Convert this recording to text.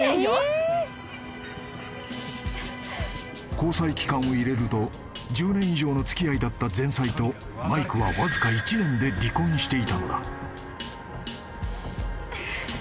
［交際期間を入れると１０年以上の付き合いだった前妻とマイクはわずか１年で離婚していたのだ］